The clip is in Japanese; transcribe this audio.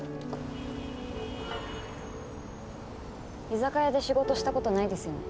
居酒屋で仕事した事ないですよね？